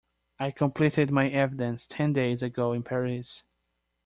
I completed my evidence ten days ago in Paris.